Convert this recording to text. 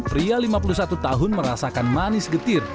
pria lima puluh satu tahun merasakan manis getir